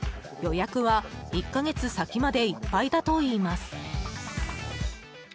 予約は１か月先までいっぱいだといいます。